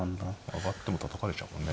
上がってもたたかれちゃうもんね